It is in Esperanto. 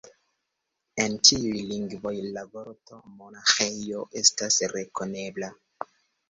En ĉiuj lingvoj la vorto monaĥejo estas rekonebla.